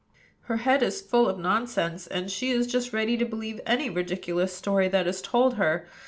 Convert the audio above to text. Her head is full of nonsense, and she is just ready to believe any ridiculous story that is told her.